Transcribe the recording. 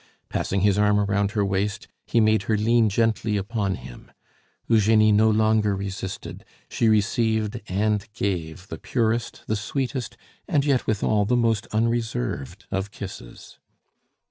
Passing his arm about her waist, he made her lean gently upon him. Eugenie no longer resisted; she received and gave the purest, the sweetest, and yet, withal, the most unreserved of kisses.